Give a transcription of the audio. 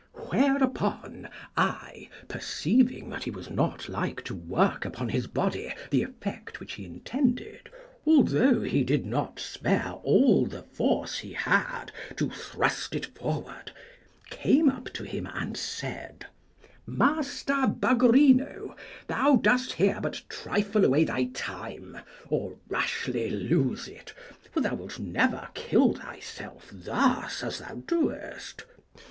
Whereupon I perceiving that he was not like to work upon his body the effect which he intended, although he did not spare all the force he had to thrust it forward, came up to him and said, Master Bugrino, thou dost here but trifle away thy time, or rashly lose it, for thou wilt never kill thyself thus as thou doest.